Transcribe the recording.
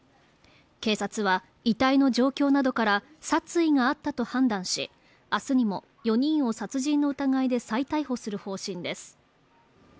警察は、遺体の状況などから殺意があったと判断し、明日にも４人を殺人の疑いで再逮捕する方針です。